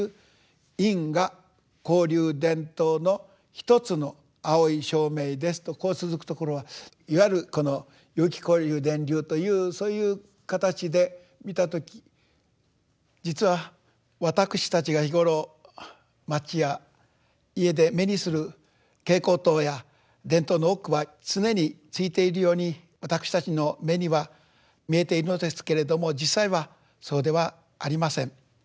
自分という「現象」はとこう続くところはいわゆるこの有機交流電燈というそういう形で見た時実はわたくしたちが日頃街や家で目にする蛍光灯や電燈の多くは常についているようにわたくしたちの目には見えているのですけれども実際はそうではありません。